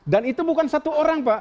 dan itu bukan satu orang pak